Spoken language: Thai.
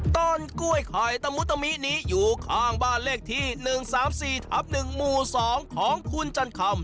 ต้นกล้วยไข่ตะหมูตะมินี้อยู่ข้างบ้านเลขที่๑๓๔๑๒ของคุณจันทรรพ์